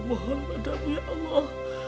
mohon padamu ya allah